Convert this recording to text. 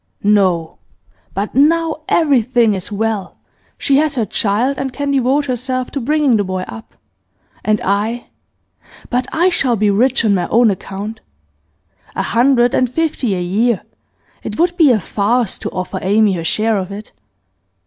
'No! But now everything is well. She has her child, and can devote herself to bringing the boy up. And I but I shall be rich on my own account. A hundred and fifty a year; it would be a farce to offer Amy her share of it.